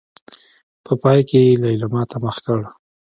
په پای کې يې ليلما ته مخ کړ.